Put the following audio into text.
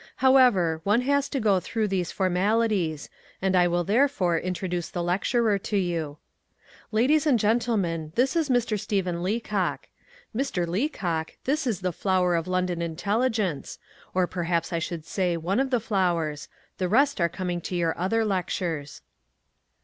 However, one has to go through these formalities, and I will therefore introduce the lecturer to you. Ladies and gentlemen, this is Mr. Stephen Leacock. Mr. Leacock, this is the flower of London intelligence or perhaps I should say one of the flowers; the rest are coming to your other lectures.